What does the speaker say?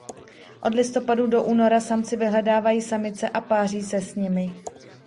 Od listopadu do února samci vyhledávají samice a páří se s nimi.